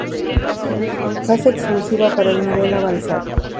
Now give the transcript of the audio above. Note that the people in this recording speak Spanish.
Fase exclusiva para el nivel avanzado.